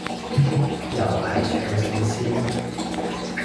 又係唱聖詩？